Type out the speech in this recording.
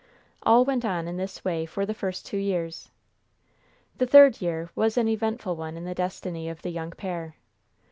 All went on in this way for the first two years. The third year was an eventful one in the destiny of the young pair.